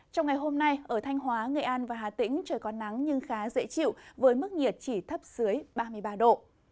trong ngày hôm nay ở thanh hóa nghệ an và hà tĩnh trời có nắng nhưng khá dễ chịu với mức nhiệt chỉ thấp dưới ba mươi ba độ